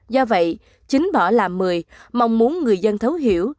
do vậy chính bỏ làm một mươi mong muốn người dân thấu hiểu